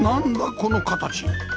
この形